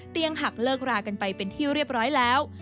หักเลิกรากันไปเป็นที่เรียบร้อยแล้ว